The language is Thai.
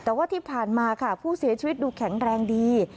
แต่ว่าที่ผ่านมาค่ะผู้เสียชีวิตดูแข็งแรงดี